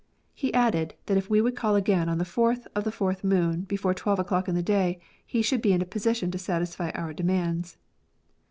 He added, that if we would call again on the 4th of the 4th moon, before 12 o'clock in the day, he should be in a position to satisfy our demands.